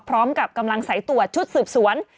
พร้อมกับกำลังสายตรวจชุดสืบสวน